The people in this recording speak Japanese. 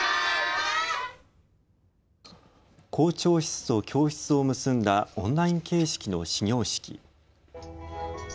校長室と教室を結んだオンライン形式の始業式。